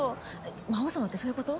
魔王様ってそういうこと？